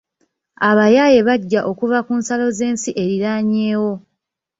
Abayaaye bajja okuva ku nsalo z'ensi erinaanyeewo.